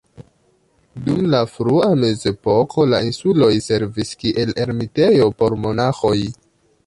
Dum la frua mezepoko la insuloj servis kiel ermitejo por monaĥoj.